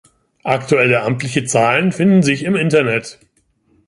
Aktuelle amtliche Zahlen finden sich im Internet.